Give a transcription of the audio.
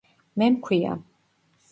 მე მქვია